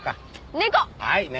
猫！